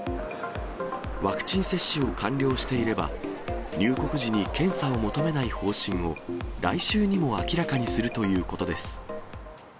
ワクチン接種を完了していれば、入国時に検査を求めない方針を来週にも明らかにするということです。